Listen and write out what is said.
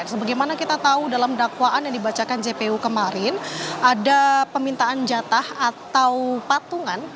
sebagaimana kita tahu dalam dakwaan yang dibacakan jpu kemarin ada permintaan jatah atau patungan